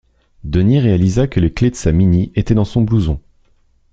Denis réalisa que les clés de sa Mini étaient dans son blouson.